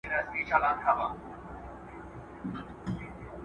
حکومت بايد مساوات رامنځته کړي.